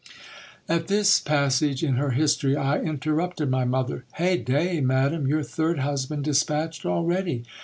At this passage inher history, I interrupted my mother. Heyday ! madam, your third husband dispatched already